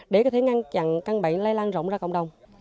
để ngăn chặn căn bệnh lây lan rộng ra cộng đồng